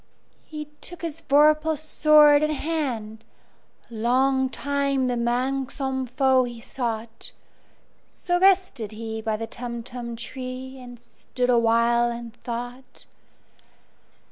He took his vorpal sword in hand:Long time the manxome foe he sought—So rested he by the Tumtum tree, And stood awhile in thought.